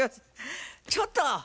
ちょっと！